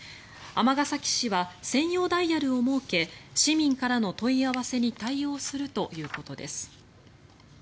尼崎市は専用ダイヤルを設け市民からの問い合わせに対応するということです。